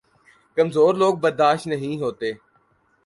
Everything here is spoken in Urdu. کمزور لوگ برداشت نہیں ہوتے